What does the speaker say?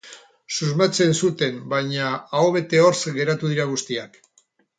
Susmatzen zuten, baina aho bete hortz geratu dira guztiak.